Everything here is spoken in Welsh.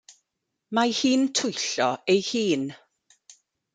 Mae hi'n twyllo ei hun.